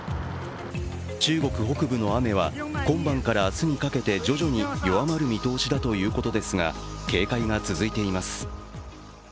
中国北部の雨は、今晩から明日にかけて徐々に弱まる見通しだということですが警戒が続いています。